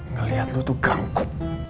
ngeliat lu tuh ganggu